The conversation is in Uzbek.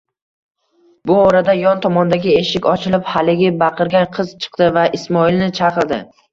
Bu orada yon tomondagi eshik ochilib, haligi baqirgan qiz chiqdi va Ismoilni chaqirdi: